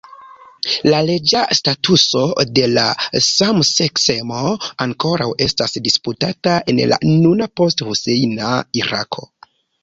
La leĝa statuso de la samseksemo ankoraŭ estas disputata en la nuna post-Husejna Irako.